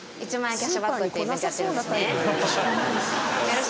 キャッシュバックっていうイベントやってるんですね